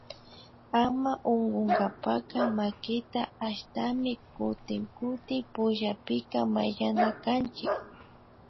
Ama unkunkapacka makita ashtami kutin kutin pullapika mayllanakanchik